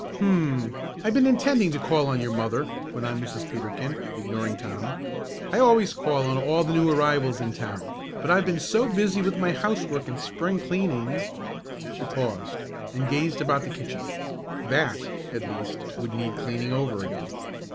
"Hum! I've been intending to call on your mother," went on Mrs. Peterkin, ignoring Tom. "I always call on all the new arrivals in town, but I've been so busy with my housework and Spring cleaning " She paused and gazed about the kitchen. That, at least, would need cleaning over again.